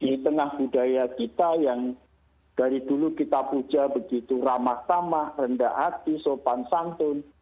di tengah budaya kita yang dari dulu kita puja begitu ramah tamah rendah hati sopan santun